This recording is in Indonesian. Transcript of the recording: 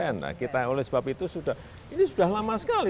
nah oleh sebab itu sudah ini sudah lama sekali